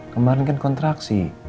kemaren kan kontraksi